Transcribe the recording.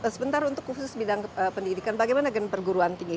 sebentar untuk khusus bidang pendidikan bagaimana dengan perguruan tinggi